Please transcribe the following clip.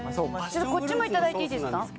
こっちもいただいていいですか。